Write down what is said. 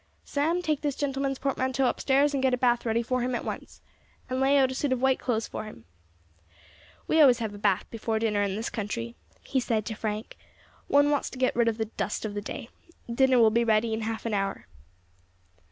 "Sam, take this gentleman's portmanteau upstairs, and get a bath ready for him at once, and lay out a suit of white clothes for him. "We always have a bath before dinner in this country," he said to Frank; "one wants to get rid of the dust of the day. Dinner will be ready in half an hour."